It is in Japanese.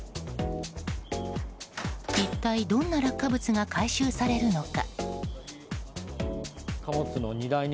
一体どんな落下物が回収されるのか。